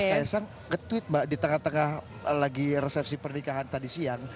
hari ini mas kaisang ngetweet mbak di tengah tengah lagi resepsi pernikahan tadi siang